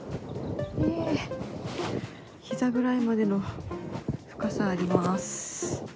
ひざぐらいまでの深さあります。